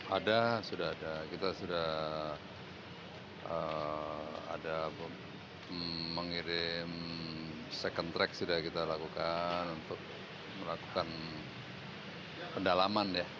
ada sudah ada kita sudah ada mengirim second track sudah kita lakukan untuk melakukan pendalaman ya